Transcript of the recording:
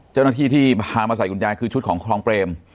เจ้าหน้าที่ที่พามาใส่คุณยายคือชุดของคลองเปรม